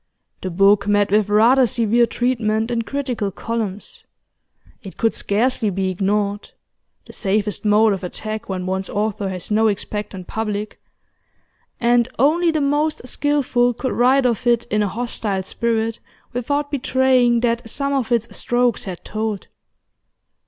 The book met with rather severe treatment in critical columns; it could scarcely be ignored (the safest mode of attack when one's author has no expectant public), and only the most skilful could write of it in a hostile spirit without betraying that some of its strokes had told.